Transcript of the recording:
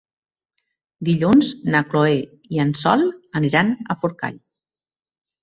Dilluns na Chloé i en Sol aniran a Forcall.